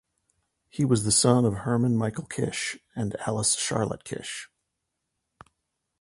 He was the son of Herman Michael Kisch and Alice Charlotte Kisch.